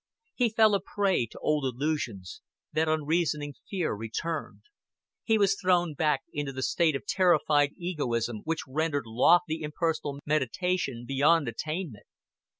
He fell a prey to old illusions; that unreasoning fear returned; he was thrown back into the state of terrified egoism which rendered lofty impersonal meditation beyond attainment.